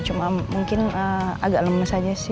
cuma mungkin agak lemes aja sih